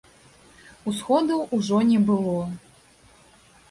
Усходаў ужо не было.